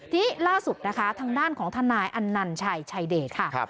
ทีนี้ล่าสุดนะคะทางด้านของทนายอันนันชัยชัยเดชค่ะ